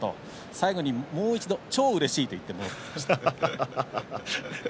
最後にもう一度超うれしいと言っていました。